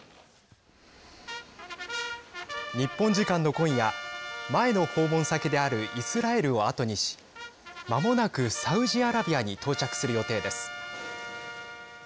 日本時間の今夜前の訪問先であるイスラエルを後にしまもなくサウジアラビアに到着する予定です。